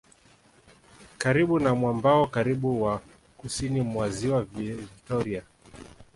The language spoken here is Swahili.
Karibu na mwambao karibu wa kusini mwa Ziwa Vivtoria